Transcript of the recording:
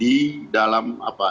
di dalam apa